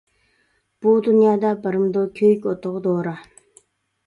بۇ دۇنيادا بارمىدۇ، كۆيۈك ئوتىغا دورا.